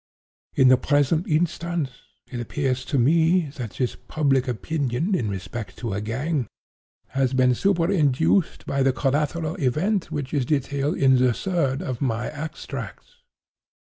In the present instance, it appears to me that this 'public opinion' in respect to a gang, has been superinduced by the collateral event which is detailed in the third of my extracts.